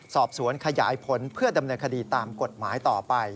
สอบสวนขยายผลเพื่อดำเนินคดีตามกฎหมายต่อไป